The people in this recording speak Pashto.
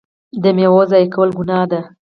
د میوو ضایع کول ګناه ده.